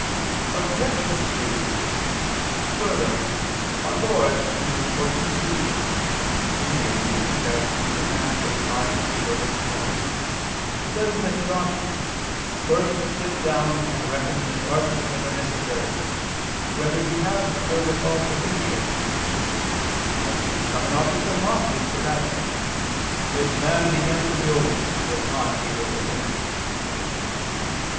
Obj. 3: Further, our Lord (Luke 14:28) in making a comparison with a man who has a mind to build a tower, says that he doth "first sit down and reckon the charges that are necessary, whether he have wherewithal to finish it," lest he become an object of mockery, for that "this man began to build and was not able to finish."